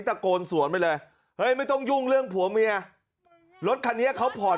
ถ่ากลสวนไปเลยไม่ต้องยุ่งเรื่องผัวแม่เซือจริงเมื่อเขาผ่อน